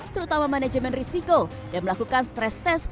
terutama manajemen risiko dan melakukan stres tes